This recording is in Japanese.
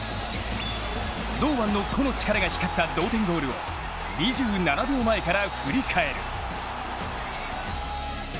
堂安の個のチカラが光った同点ゴールを２７秒前から振り返る。